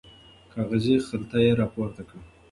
کاغذي خلطه یې راپورته کړه.